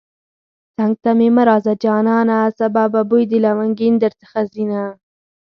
څنگ ته مې مه راځه جانانه سبا به بوی د لونگين درڅخه ځينه